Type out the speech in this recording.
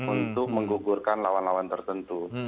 untuk menggugurkan lawan lawan tertentu